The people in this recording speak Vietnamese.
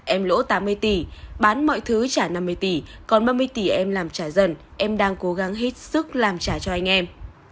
em lỗ tám mươi tỷ bán mọi thứ trả năm mươi tỷ còn ba mươi tỷ em làm trả dần em đang cố gắng hết sức làm trả cho anh em